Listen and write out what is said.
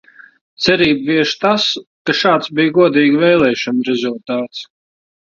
Cerību vieš tas, ka šāds bija godīgu vēlēšanu rezultāts.